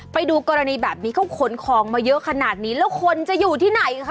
ไปดูกรณีแบบนี้เขาขนของมาเยอะขนาดนี้แล้วคนจะอยู่ที่ไหนคะ